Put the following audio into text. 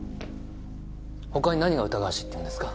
他に何が疑わしいって言うんですか？